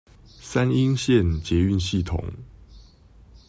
三鶯線捷運系統